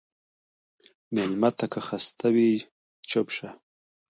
مېلمه ته که خسته وي، چپ شه.